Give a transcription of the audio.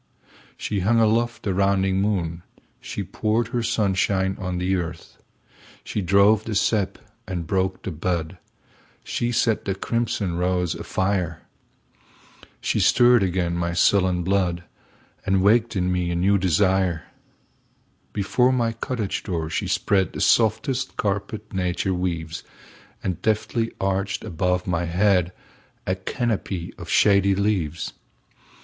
She hung aloft the rounding moon, She poured her sunshine on the earth, She drove the sap and broke the bud, She set the crimson rose afire. She stirred again my sullen blood, And waked in me a new desire. Before my cottage door she spreadThe softest carpet nature weaves, And deftly arched above my headA canopy of shady leaves.